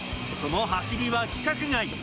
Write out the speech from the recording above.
その走りは規格外。